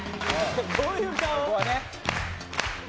どういう顔？